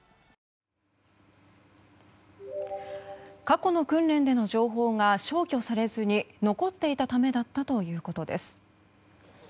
過去の訓練での情報が消去されずに残っていたためだったということです。